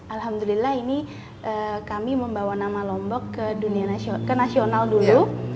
alhamdulillah ini kami membawa nama lombok ke nasional dulu